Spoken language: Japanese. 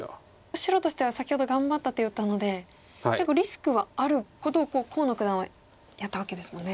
白としては先ほど頑張った手を打ったので結構リスクはあることを河野九段はやったわけですもんね。